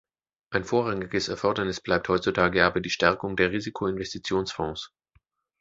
Ein vorrangiges Erfordernis bleibt heutzutage aber die Stärkung der Risikoinvestitionsfonds.